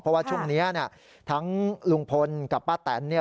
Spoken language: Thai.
เพราะว่าช่วงนี้ทั้งลุงพลกับป้าแตน